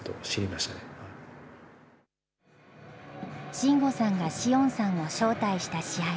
慎吾さんが詩音さんを招待した試合。